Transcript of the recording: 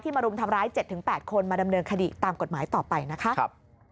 มารุมทำร้าย๗๘คนมาดำเนินคดีตามกฎหมายต่อไปนะคะ